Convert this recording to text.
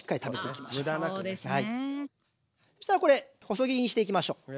そしたらこれ細切りにしていきましょう。